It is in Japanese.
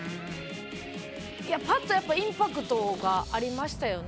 いやパッとやっぱインパクトがありましたよね。